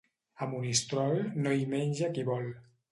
A Monistrol, no hi menja qui vol.